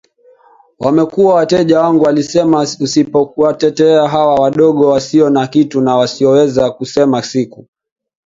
wamekuwa wateja wangu alisemaUsipowatetea hawa wadogo wasio na kitu na wasioweza kusema siku